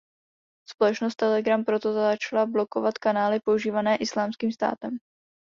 Společnost Telegram proto začala blokovat kanály používané Islámským státem.